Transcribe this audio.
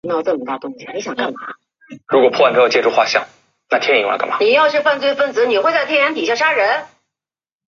刺萼秀丽莓为蔷薇科悬钩子属下的一个变种。